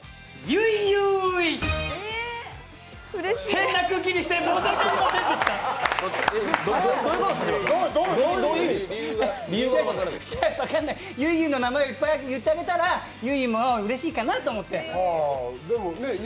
ゆいゆいの名前をいっぱい言ってあげたら、ゆいゆいもうれしいかなと。